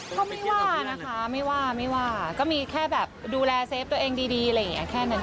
เขาไม่ว่านะคะไม่ว่าก็มีแค่แบบดูแลเซฟตัวเองดีแค่นั้นเอง